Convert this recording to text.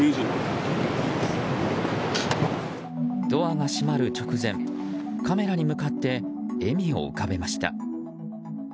ドアが閉まる直前カメラに向かって笑みを浮かべました。